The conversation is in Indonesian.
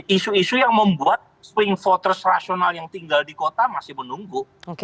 isu isu yang membuat swing voters rasional yang tinggal di kota masih menunggu